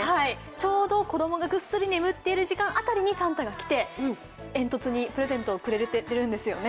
ちょうど子供がぐっすり眠っているあたりにサンタが来て煙突にプレゼントを入れてくれてるんですよね。